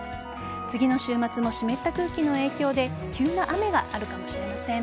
次の週末も湿った空気の影響で急な雨があるかもしれません。